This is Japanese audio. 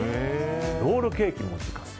ロールケーキも自家製。